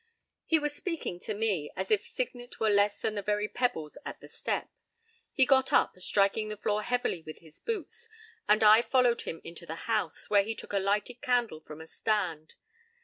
p> He was speaking to me, as if Signet were less than the very pebbles at the step. He got up, striking the floor heavily with his boots, and I followed him into the house, where he took a lighted candle from a stand.